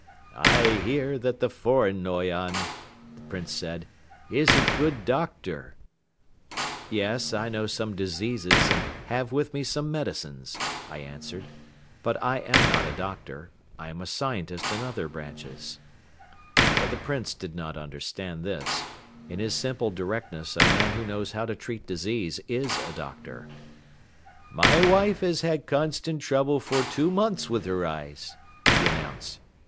"I hear that the foreign Noyon," the Prince said, "is a good doctor." "Yes, I know some diseases and have with me some medicines," I answered, "but I am not a doctor. I am a scientist in other branches." But the Prince did not understand this. In his simple directness a man who knows how to treat disease is a doctor. "My wife has had constant trouble for two months with her eyes," he announced.